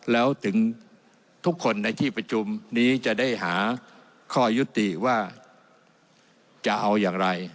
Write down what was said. แล้วถึงทุกคนในที่ประชุมนี้จะได้หาข้อยุติว่าจะเอาอย่างไร